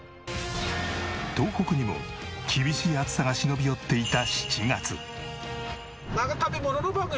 東北にも厳しい暑さが忍び寄っていた７月。